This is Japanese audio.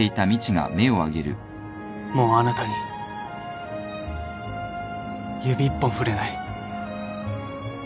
もうあなたに指一本触れない。